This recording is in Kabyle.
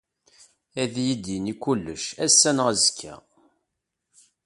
Ad iyi-d-yini kullec, ass-a neɣ azekka.